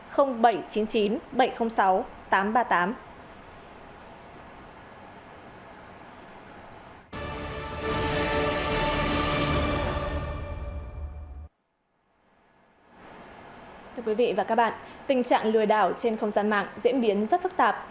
thưa quý vị và các bạn tình trạng lừa đảo trên không gian mạng diễn biến rất phức tạp